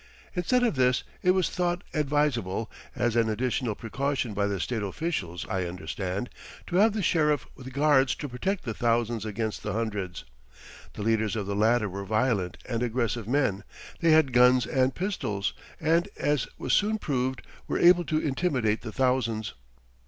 Instead of this it was thought advisable (as an additional precaution by the state officials, I understand) to have the sheriff with guards to protect the thousands against the hundreds. The leaders of the latter were violent and aggressive men; they had guns and pistols, and, as was soon proved, were able to intimidate the thousands.